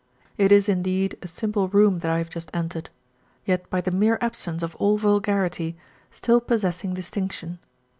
It is indeed a simple room that I have just entered, yet by the mere absence of all vulgarity, still possessing distinction.